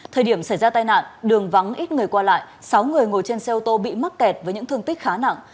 thời điểm xảy ra tai nạn đường vắng ít người qua lại sáu người ngồi trên xe ô tô bị mắc kẹt với những thương tích khá nặng